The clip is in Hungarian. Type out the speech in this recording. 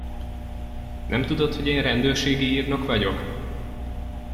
Nem tudod, hogy én rendőrségi írnok vagyok?